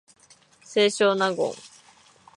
清少納言